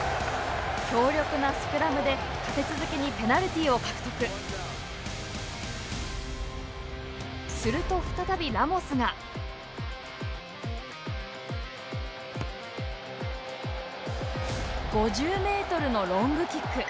強力なスクラムで立て続けにペナルティーを獲得すると再びラモスが５０ｍのロングキック。